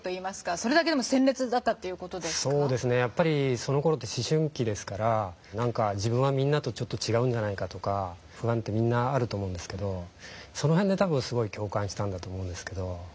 そうですねやっぱりそのころって思春期ですから「自分はみんなとちょっと違うんじゃないか」とか不安ってみんなあると思うんですけどその辺で多分すごい共感したんだと思います。